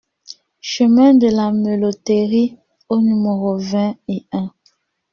Chemin de la Melotterie au numéro vingt et un